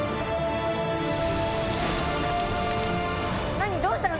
何⁉どうしたの？